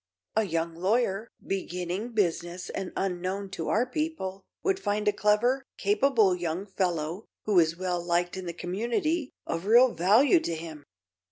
A young lawyer, beginning business and unknown to our people, would find a clever, capable young fellow who is well liked in the community of real value to him.